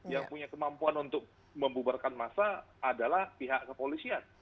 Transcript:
yang punya kemampuan untuk membubarkan massa adalah pihak kepolisian